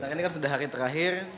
karena ini kan sudah hari terakhir